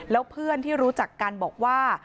แล้วเพื่อนที่รู้จักกันบอกว่า